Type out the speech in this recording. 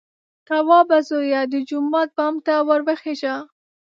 _توابه زويه! د جومات بام ته ور وخېژه!